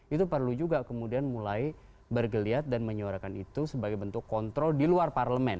itu perlu juga kemudian mulai bergeliat dan menyuarakan itu sebagai bentuk kontrol di luar parlemen